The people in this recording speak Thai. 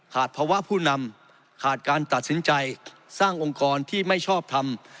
ภาวะผู้นำขาดการตัดสินใจสร้างองค์กรที่ไม่ชอบทำ